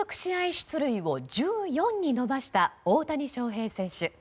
出塁を１４に伸ばした大谷翔平選手。